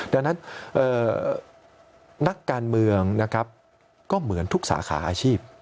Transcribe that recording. ดังนั้นนักการเมืองนะครับก็เหมือนทุกสาขาอาชีพ